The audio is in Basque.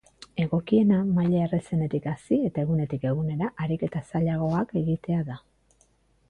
Egokiena, maila errazenetik hasi eta egunetik egunera ariketa zailagoak egitea da.